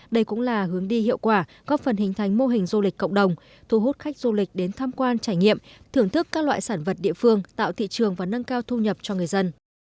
đây cũng là hướng đi hiệu quả góp phần hình thành mô hình du lịch cộng đồng thu hút khách du lịch đến tham quan trải nghiệm thưởng thức các loại sản vật địa phương tạo thị trường và nâng cao thu nhập cho người dân